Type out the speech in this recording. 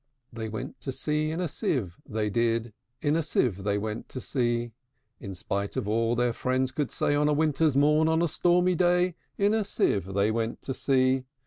They went to sea in a sieve, they did; In a sieve they went to sea: In spite of all their friends could say, On a winter's morn, on a stormy day, In a sieve they went to sea.